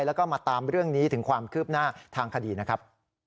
แล้วก็มาตามเรื่องนี้ถึงความคืบหน้าทางคดีนะครับ